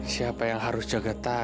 siapa yang harus jaga tas